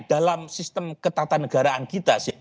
dalam sistem ketatanegaraan kita sih